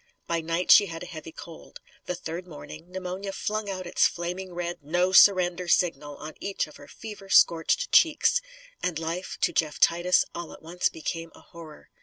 By night she had a heavy cold. The third morning, pneumonia flung out its flaming red No Surrender signal on each of her fever scorched cheeks. And life, to Jeff Titus, all at once became a horror.